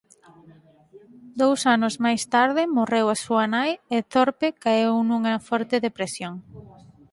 Dous anos máis tarde morreu a súa nai e Thorpe caeu nunha forte depresión.